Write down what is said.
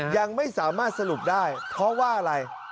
ยังไม่สามารถสรุปได้เพราะว่าอะไร